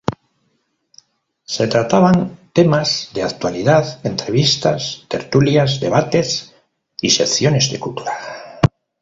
Se trataban temas de actualidad, entrevistas, tertulias, debates y secciones de cultura.